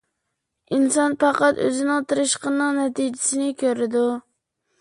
ئىنسان پەقەت ئۆزىنىڭ تىرىشقىنىنىڭ نەتىجىسىنى كۆرىدۇ.